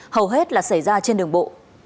hầu hết là xảy ra trên đường bộ